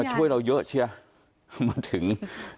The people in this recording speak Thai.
มาช่วยเราเยอะเชื่อมาถึง